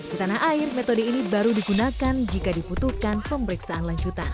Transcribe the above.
di tanah air metode ini baru digunakan jika dibutuhkan pemeriksaan lanjutan